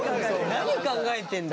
「何考えてんだ？」